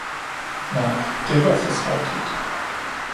nej, det var forskrækkeligt!